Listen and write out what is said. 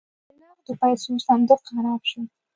د نغدو پیسو صندوق خراب شو.